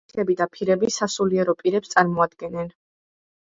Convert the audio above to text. შეიხები და ფირები სასულიერო პირებს წარმოადგენენ.